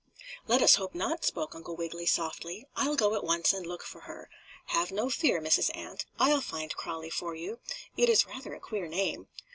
"Let us hope not," spoke Uncle Wiggily, softly. "I'll go at once and look for her. Have no fear, Mrs. Ant. I'll find Crawlie for you. It is rather a queer name."